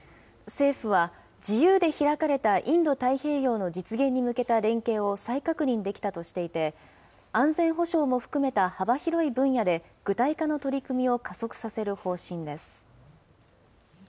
政府は、自由で開かれたインド太平洋の実現に向けた連携を再確認できたとしていて、安全保障も含めた幅広い分野で、具体化の取り組みを加速させる方針です。